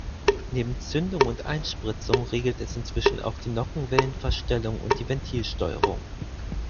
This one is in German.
Neben Zündung und Einspritzung regelt es inzwischen auch die Nockenwellenverstellung und die Ventilsteuerung.